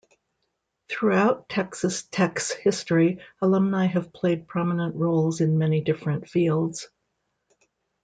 Throughout Texas Tech's history, alumni have played prominent roles in many different fields.